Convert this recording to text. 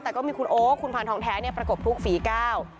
แต่ก็มีคุณโอ๊คคุณพานทองแท้ประกบทุกฝีก้าว